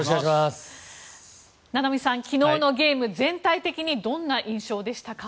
名波さん、昨日のゲーム全体的にどんな印象でしたか？